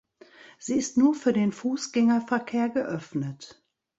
Sie ist nur für den Fußgängerverkehr geöffnet.